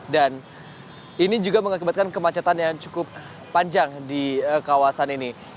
dan ini juga mengakibatkan kemacetan yang cukup panjang di kawasan ini